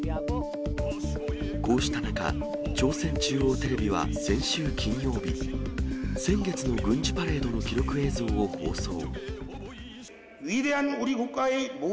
こうした中、朝鮮中央テレビは先週金曜日、先月の軍事パレードの記録映像を放送。